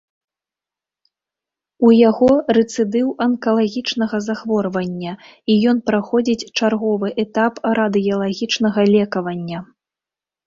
У яго рэцыдыў анкалагічнага захворвання і ён праходзіць чарговы этап радыелагічнага лекавання.